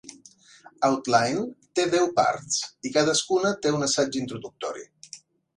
"Outline" té deu parts i cadascuna té un assaig introductori.